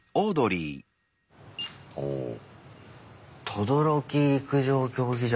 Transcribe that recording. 「等々力陸上競技場」